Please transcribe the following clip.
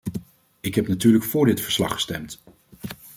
Ik heb natuurlijk voor dit verslag gestemd.